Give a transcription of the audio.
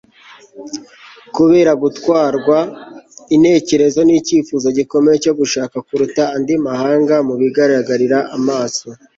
kubera gutwarwa intekerezo n'icyifuzo gikomeye cyo gushaka kuruta andi mahanga mu bigaragarira amaso